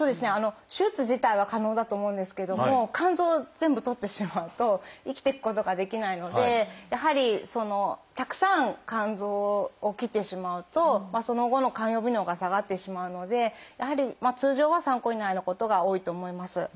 手術自体は可能だと思うんですけども肝臓を全部取ってしまうと生きていくことができないのでやはりたくさん肝臓を切ってしまうとその後の肝予備能が下がってしまうのでやはり通常は３個以内のことが多いと思います。